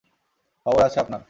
খবর আছে আপনার!